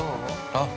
◆あっ！